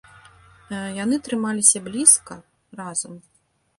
Яны трымаліся блізка, разам.